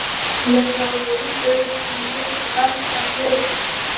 لکه مريد د سپينږيري په لاس راپرېوت.